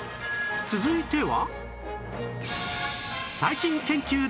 続いては